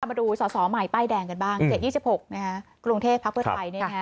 มาดูสอสอใหม่ป้ายแดงกันบ้าง๗๒๖กรุงเทพภักดิ์เพื่อไทย